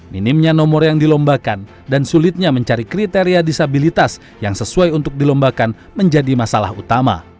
minimnya nomor yang dilombakan dan sulitnya mencari kriteria disabilitas yang sesuai untuk dilombakan menjadi masalah utama